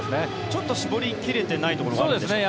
ちょっと絞り切れていないところはあるんでしょうか。